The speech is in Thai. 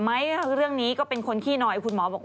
ไม่เรื่องนี้ก็เป็นคนขี้หน่อย